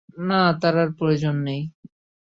না, তার প্রয়োজন নেই।